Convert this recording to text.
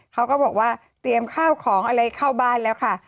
เขาก็บอกว่าเตรียมข้าวของอะไรเข้าบ้านแล้วค่ะ